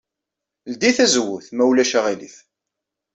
Ldey tazewwut, ma ulac aɣilif.